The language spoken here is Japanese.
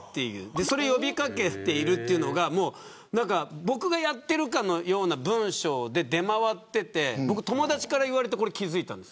それを呼び掛けているというのが僕がやっているかのような文章で出回っていて友達から言われて気づいたんです。